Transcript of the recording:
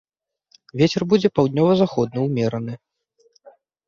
Вецер будзе паўднёва-заходні ўмераны.